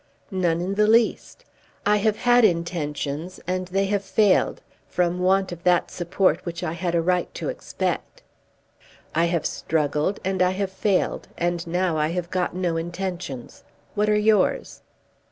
"None in the least. I have had intentions, and they have failed; from want of that support which I had a right to expect. I have struggled and I have failed, and now I have got no intentions. What are yours?"